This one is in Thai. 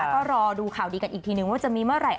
ก็รอดูข่าวดีกันอีกทีนึงว่าจะมีเมื่อไหร่